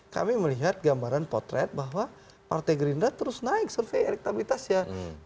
kami melihat gambaran potret bahwa partai gerindra terus naik survei elektabilitasnya